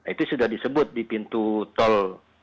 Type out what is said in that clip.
itu sudah disebut di pintu tol